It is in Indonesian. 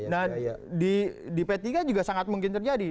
nah di p tiga juga sangat mungkin terjadi